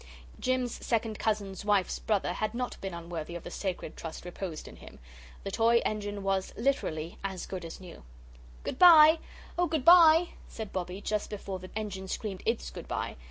Jim's second cousin's wife's brother had not been unworthy of the sacred trust reposed in him. The toy engine was, literally, as good as new. "Good bye oh, good bye," said Bobbie, just before the engine screamed ITS good bye.